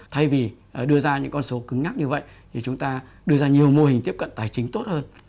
thay vì đưa ra những con số cứng nhắc như vậy thì chúng ta đưa ra nhiều mô hình tiếp cận tài chính tốt hơn